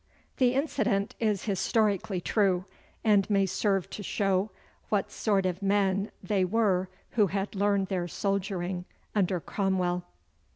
The incident is historically true, and may serve to show what sort of men they were who had learned their soldiering under Cromwell.